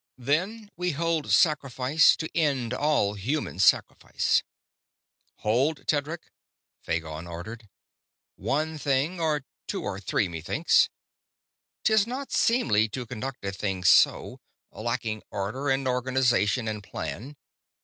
"Then we hold sacrifice to end all human sacrifice." "Hold, Tedric!" Phagon ordered. "One thing or two or three, methinks. 'Tis not seemly to conduct a thing so; lacking order and organization and plan.